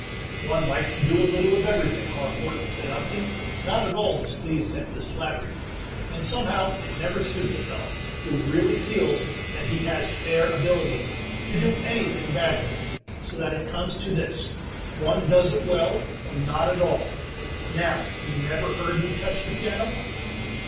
"One likes to do a little of everything, Harcourt," said Upton, not at all displeased at this flattery; "and somehow it never suits a fellow, who really feels that he has fair abilities, to do anything badly; so that it comes to this: one does it well, or not at all. Now, you never heard me touch the piano?"